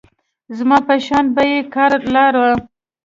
زما په شيانو به يې کار لاره.